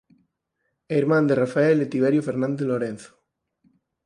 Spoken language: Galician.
É irmán de Rafael e Tiberio Fernández Lorenzo.